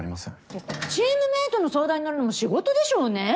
いやチームメートの相談に乗るのも仕事でしょねぇ？